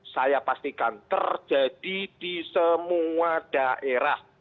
saya pastikan terjadi di semua daerah